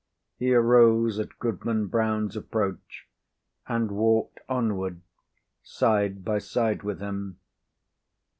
He arose at Goodman Brown's approach and walked onward side by side with him.